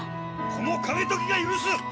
この景時が許す！